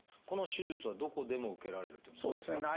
この手術はどこでも受けられるっていうものですか？